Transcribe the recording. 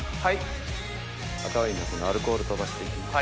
赤ワインのアルコール飛ばして行きます。